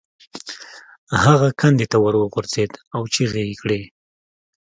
هغه کندې ته وغورځید او چیغې یې کړې.